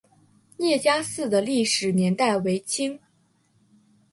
聂家寺的历史年代为清。